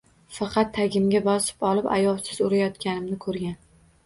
Faqat tagimga bosib olib ayovsiz urayotganimni koʻrgan